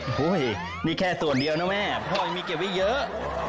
โอ้โหนี่แค่ส่วนเดียวนะแม่พ่อยังมีเก็บไว้เยอะ